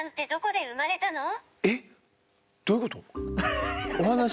えっ？どういうこと？